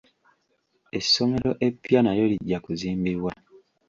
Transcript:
Essomero eppya nalyo lijja kuzimbibwa.